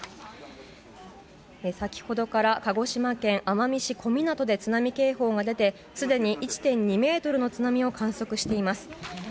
先ほどから鹿児島県奄美市小湊で津波警報が出てすでに１．２ｍの津波を観測しています。